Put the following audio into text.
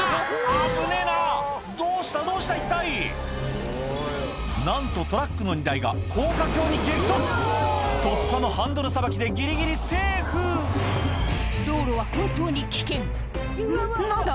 危ねぇなどうしたどうした一体なんとトラックの荷台が高架橋に激突とっさのハンドルさばきでギリギリセーフ道路は本当に危険うん？何だ？